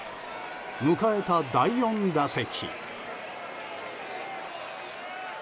迎えた第４打席。